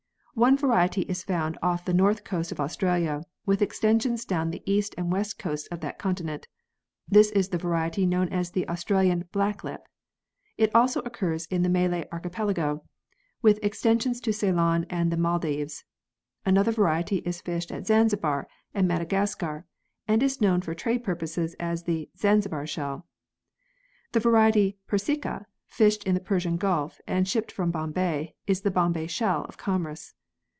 One variety is found off the north coast of Australia with extensions down the east and west coasts of that continent. This is the variety known as the Australian " Black lip." It also occurs in the Malay Archipelago with extensions to Ceylon and the Maldives. Another variety is fished at Zanzibar and Madagascar, and is known for trade purposes as the " Zanzibar shell." The variety persica, fished in the Persian Gulf and shipped from Bombay, is the "Bombay shell" of commerce.